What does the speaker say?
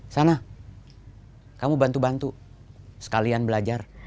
sana kamu bantu bantu sekalian belajar